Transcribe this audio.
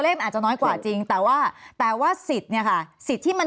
มันอาจจะน้อยกว่าจริงแต่ว่าแต่ว่าสิทธิ์เนี่ยค่ะสิทธิ์ที่มัน